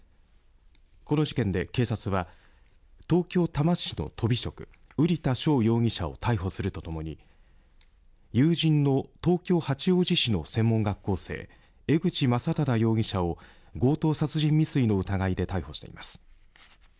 この事件で警察は東京、多摩市のとび職瓜田翔容疑者を逮捕するとともに友人の東京八王子市の専門学校生江口将匡容疑者を強盗殺人未遂の疑いで逮捕しています。